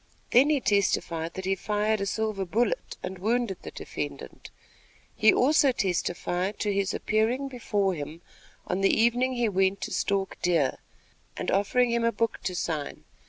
Then he testified that he fired a silver bullet and wounded the defendant. He also testified to his appearing before him on the evening he went to stalk deer, and offering him a book to sign.